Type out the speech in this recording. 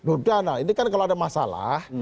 udah nah ini kan kalau ada masalah